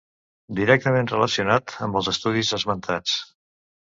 Directament relacionat amb els estudis esmentats.